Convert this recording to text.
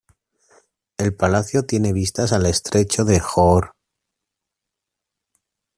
El palacio tiene vistas al estrecho de Johor.